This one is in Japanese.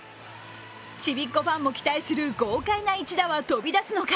ちびっこファンも期待する豪快な一打は飛び出すのか。